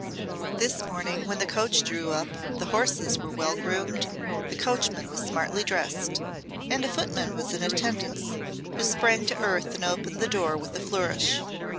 This morning, when the coach drew up, the horses were well groomed, the coachman smartly dressed, and a footman was in attendance, who sprang to earth and opened the door with a flourish.